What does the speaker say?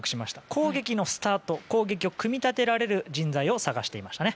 攻撃のスタート攻撃を組み立てられる人材を探していましたね。